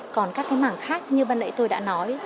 còn các mảng khác như bà lệ tôi đã nói